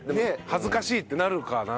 恥ずかしいってなるかな